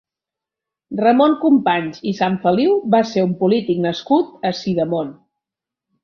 Ramon Companys i Sanfeliu va ser un polític nascut a Sidamon.